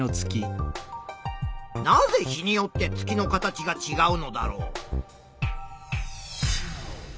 なぜ日によって月の形がちがうのだろう？